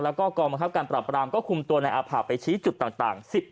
และกรทัศน์การปรับกรามก็คุมตัวในอภาพไปชี้จุดต่าง